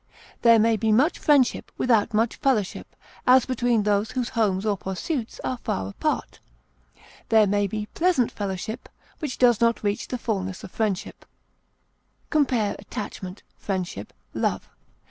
There may be much friendship without much fellowship, as between those whose homes or pursuits are far apart. There may be pleasant fellowship which does not reach the fulness of friendship. Compare ATTACHMENT; FRIENDSHIP; LOVE.